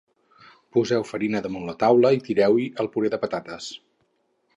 Poseu farina damunt la taula i tireu-hi el puré de patates